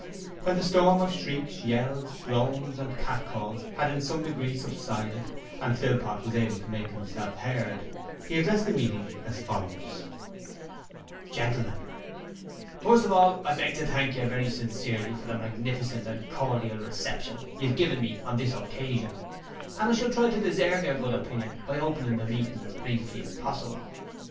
When the storm of shrieks, yells, groans and catcalls had in some degree subsided, and Philpot was able to make himself heard, he addressed the meeting as follows: 'Gentlemen: First of all I beg to thank you very sincerely for the magnificent and cordial reception you have given me on this occasion, and I shall try to deserve your good opinion by opening the meeting as briefly as possible.